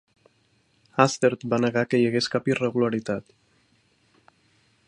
Hastert va negar que hi hagués cap irregularitat.